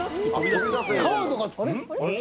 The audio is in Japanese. カードがあれ？